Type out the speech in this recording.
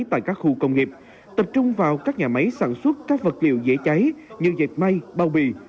tại các khu công nghiệp tập trung vào các nhà máy sản xuất các vật liệu dễ cháy như dệt may bao bì